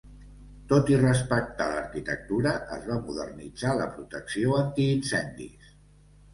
Tot i respectar l'arquitectura, es va modernitzar la protecció antiincendis.